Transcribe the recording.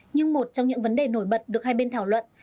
nhưng một trong những vấn đề nổi bật được hai bên thảo luận